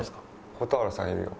蛍原さんいるよ。